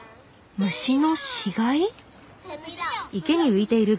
虫の死骸？